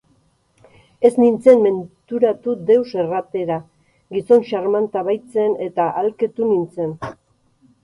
Ez nintzen menturatu deus erratera, gizon xarmanta baitzen eta ahalketu nintzen.